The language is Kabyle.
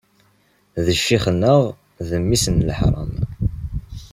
D ccix-nneɣ d mmi-s n leḥram.